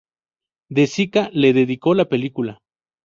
De Sica le dedicó la película.